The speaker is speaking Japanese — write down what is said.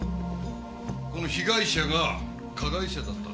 この被害者が加害者だったって？